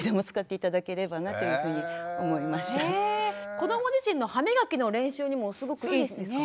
子ども自身の歯みがきの練習にもすごくいいんですか。